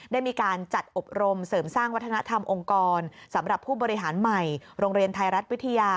ได้มีการจัดอบรมเสริมสร้างวัฒนธรรมองค์กรสำหรับผู้บริหารใหม่โรงเรียนไทยรัฐวิทยา